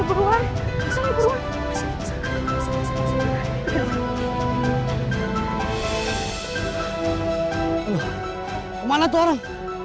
aduh kemana tuh orang